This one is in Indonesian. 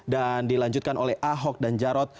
dan dilanjutkan oleh ahok dan jarod